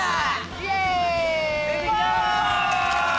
・イエーイ！